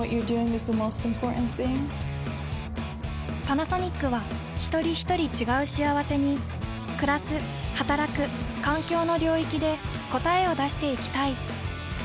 パナソニックはひとりひとり違う幸せにくらすはたらく環境の領域で答えを出していきたい。